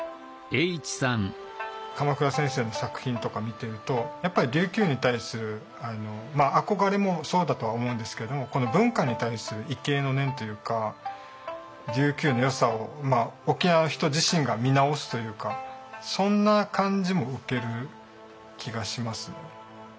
鎌倉先生の作品とか見てるとやっぱり琉球に対する憧れもそうだとは思うんですけれども文化に対する畏敬の念というか琉球のよさを沖縄の人自身が見直すというかそんな感じも受ける気がしますね。